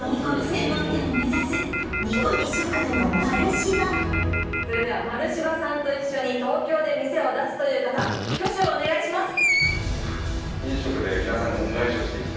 専門店を目指すそれではまるしばさんと一緒に東京で店を出すという方挙手をお願いします